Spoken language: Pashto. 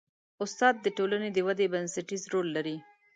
استاد د ټولنې د ودې بنسټیز رول لري.